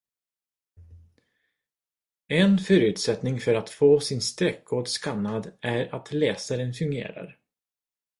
En förutsättning för att få sin streckkod skannad är att läsaren fungerar.